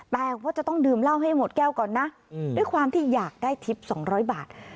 แต่ว่าจะต้องดื่มเหล้าให้หมดแก้วก่อนนะด้วยความที่อยากได้ทิพย์๒๐๐บาท